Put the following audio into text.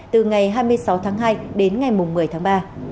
từ ngày hai mươi sáu tháng hai đến ngày một mươi tháng ba